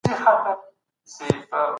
کمپيوټر د زده کړي يو وسيله ده.